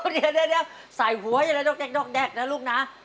เดี๋ยวใส่หัวอย่าเลยด๊อกแก๊กนะลูกนะ